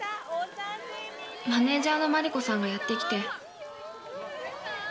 マネジャーの万里子さんがやって来て。